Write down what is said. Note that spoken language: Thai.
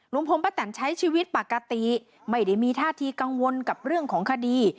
ป้าแตนใช้ชีวิตปกติไม่ได้มีท่าทีกังวลกับเรื่องของคดี